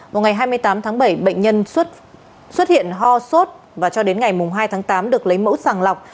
vào ngày hai mươi tám tháng bảy bệnh nhân xuất hiện ho sốt và cho đến ngày hai tháng tám được lấy mẫu sàng lọc